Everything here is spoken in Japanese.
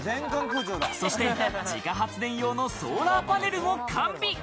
そして自家発電用のソーラーパネルも完備。